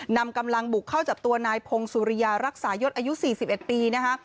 นำกำลังบุกเข้าจับตัวนายพงศุริยารักษายศอายุ๔๑ปีนะคะ